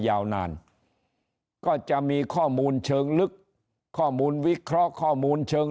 ยาวนานก็จะมีข้อมูลเชิงลึกข้อมูลวิเคราะห์ข้อมูลเชิง